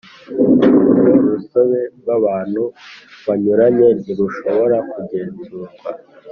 urwo rusobe rw abantu banyuranye ntirushobore kugenzurwa